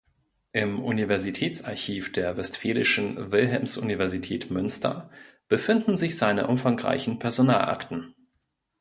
Im Universitätsarchiv der Westfälischen Wilhelms-Universität Münster befinden sich seine umfangreichen Personalakten.